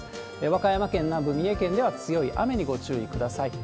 和歌山県南部、三重県では強い雨にご注意ください。